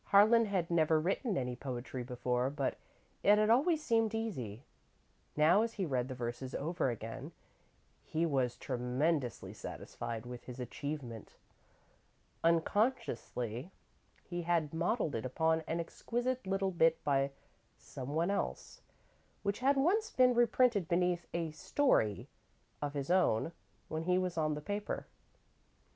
Harlan had never written any poetry before, but it had always seemed easy. Now, as he read the verses over again, he was tremendously satisfied with his achievement. Unconsciously, he had modelled it upon an exquisite little bit by some one else, which had once been reprinted beneath a "story" of his own when he was on the paper.